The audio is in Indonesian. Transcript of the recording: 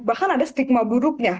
bahkan ada stigma buruknya